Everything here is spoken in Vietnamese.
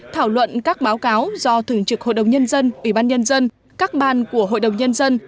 thảo luận các báo cáo do thường trực hội đồng nhân dân ủy ban nhân dân các ban của hội đồng nhân dân